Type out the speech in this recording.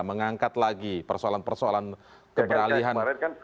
mengangkat lagi persoalan persoalan keberalihan